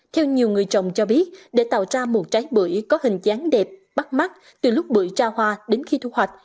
theo nhiều người trồng cho biết để tạo ra một trái bưởi có hình dáng đẹp bắt mắt từ lúc bưởi tra hoa đến khi thu hoạch